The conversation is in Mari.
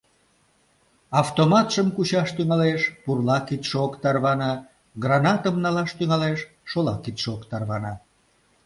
Автоматшым кучаш тӱҥалеш — пурла кидше ок тарване, гранатым налаш тӱҥалеш — шола кидше ок тарване.